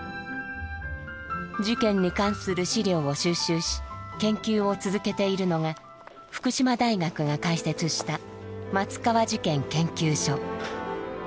事件に関する資料を収集し研究を続けているのが福島大学が開設した松川事件研究所。